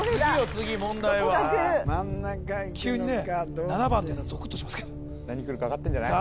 次問題は真ん中いくのか急にね７番っていったらゾクッとしますけど何くるか分かってんじゃない？